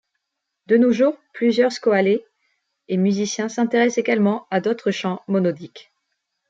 De nos jours, plusieurs scholæ et musiciens s'intéressent également à d'autres chants monodiques.